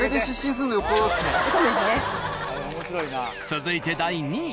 続いて第２位。